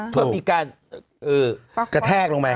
เพื่อมีการกระแทกลงมา